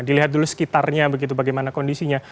dilihat dulu sekitarnya begitu bagaimana kondisinya